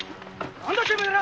何だてめえら！